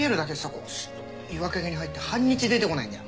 こうスッと岩陰に入って半日出てこないんだよ。